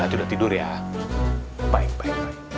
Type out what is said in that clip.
tidak tidur ya baik baik